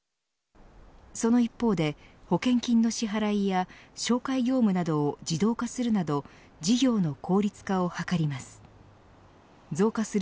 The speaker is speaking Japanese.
その一方で保険金の支払いや照会業務などを自動化するなど事業の効率化を図ります。